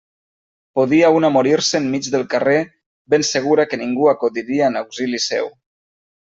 Podia una morir-se enmig del carrer, ben segura que ningú acudiria en auxili seu.